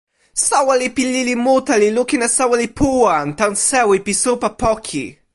soweli pi lili mute li lukin e soweli Puwan tan sewi pi supa poki.